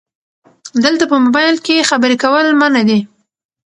دلته په مبایل کې خبرې کول منع دي 📵